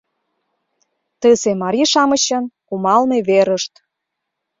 — Тысе марий-шамычын кумалме верышт.